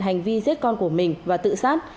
hành vi giết con của mình và tự sát